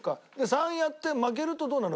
３やって負けるとどうなるの？